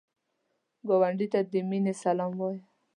ګاونډي ته د مینې سلام وایه